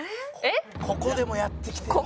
ここでもやってきてんなあ。